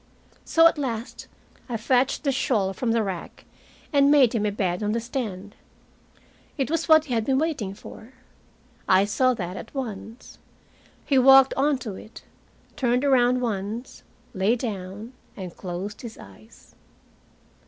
So at last I fetched the shawl from the rack and made him a bed on the stand. It was what he had been waiting for. I saw that at once. He walked onto it, turned around once, lay down, and closed his eyes.